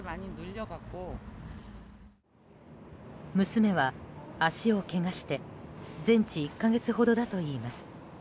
娘は、足をけがして全治１か月ほどだといいます。